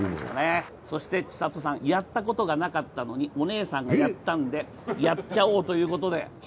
そして千怜さん、やったことがなかったのに、お姉さんがやったのでやっちゃおうということで。